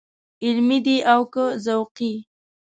علمي دی او که ذوقي.